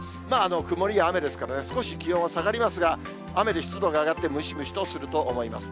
曇りや雨ですからね、少し気温下がりますが、雨で湿度が上がって、ムシムシとすると思います。